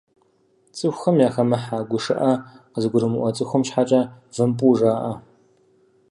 Цӏыхухэм яхэмыхьэ, гушыӏэ къызыгурымыӏуэ цӏыхум щхьэкӏэ вымпӏу жаӏэ.